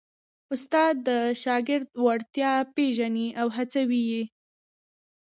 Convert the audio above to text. استاد د شاګرد وړتیا پېژني او هڅوي یې.